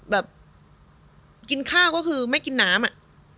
แบบกินข้าวก็คือไม่กินน้ำอะ